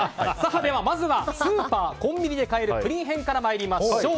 では、まずはスーパー・コンビニで買えるプリン編から参りましょう。